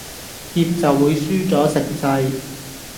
怯就會輸咗成世